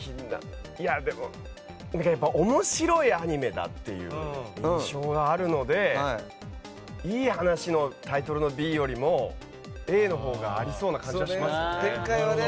でも面白いアニメだって印象があるのでいい話のタイトルのＢよりもＡのほうがありそうな感じがしますよね。